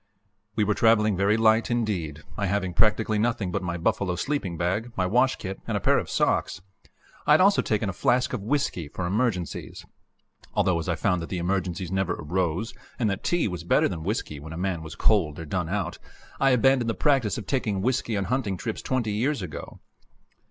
We were traveling very light indeed, I having practically nothing but my buffalo sleeping bag, my wash kit, and a pair of socks. I had also taken a flask of whisky for emergencies although, as I found that the emergencies never arose and that tea was better than whisky when a man was cold or done out, I abandoned the practice of taking whisky on hunting trips twenty years ago.